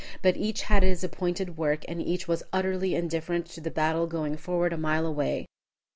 But each had his appointed work, and each was utterly indifferent to the battle going forward a mile away.